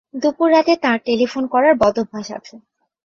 দুপুররাতে তাঁর টেলিফোন করার বদঅভ্যাস আছে।